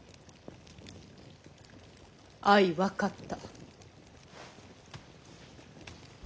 相分かった。